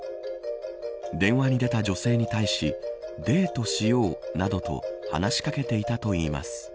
電話に出た女性に対しデートしようなどと話し掛けていたといいます。